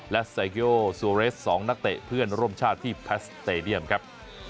และไซโยโซเรส๒นักเตะเพื่อนร่วมชาติที่แพสเตดียมครับ